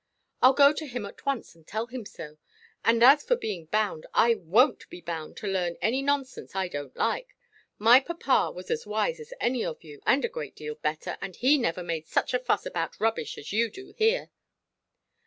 Iʼll go to him at once, and tell him so. And, as for being bound, I wonʼt be bound to learn any nonsense I donʼt like. My papa was as wise as any of you, and a great deal better; and he never made such a fuss about rubbish as you do here."